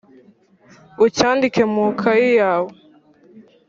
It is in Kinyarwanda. Ucyandike mu ikaye yawe